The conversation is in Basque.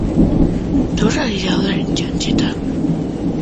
Nor ari da orain txantxetan?